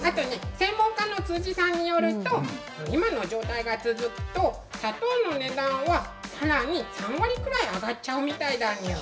専門家の辻さんによると今の状態が続くと、砂糖の値段はさらに３割ぐらい上がっちゃうみたいだにゅ。